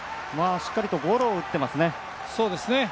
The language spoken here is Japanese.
しっかりとゴロを打ってますね。